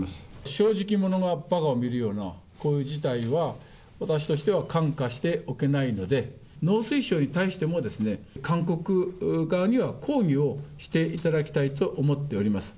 正直者がばかを見るような、こういう事態は私としては看過しておけないので、農水省に対しても、韓国側には抗議をしていただきたいと思っております。